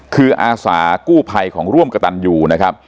คืออาสากู้ภัยของร่วมกระตันยูนะครับ